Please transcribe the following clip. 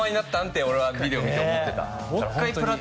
って俺はビデオ見て思ってた。